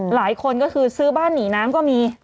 หลายคนก็คือซื้อบ้านหนีน้ำก็มี